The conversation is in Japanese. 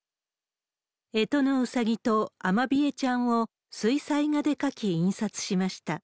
えとのウサギとアマビエちゃんを水彩画で描き印刷しました。